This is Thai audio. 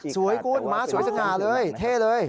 สวยคุณม้าสวยสง่าเลยเท่เลย